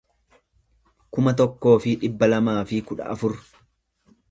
kuma tokkoo fi dhibba lamaa fi kudha afur